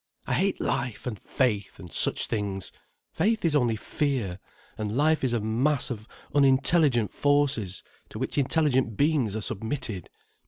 "I hate life, and faith, and such things. Faith is only fear. And life is a mass of unintelligent forces to which intelligent beings are submitted.